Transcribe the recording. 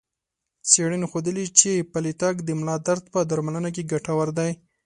څېړنو ښودلي چې پلی تګ د ملا درد په درملنه کې ګټور دی.